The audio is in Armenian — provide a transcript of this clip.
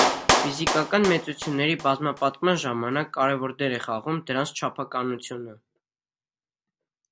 Ֆիզիկական մեծությունների բազմապատկման ժամանակ կարևոր դեր է խաղում դրանց չափականությունը։